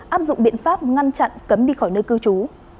áp dụng biện pháp ngăn chặn cấm đi khỏi nơi cư trú